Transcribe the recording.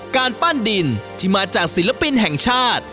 การปั้นดินที่มาจากศิลปินแห่งชาติ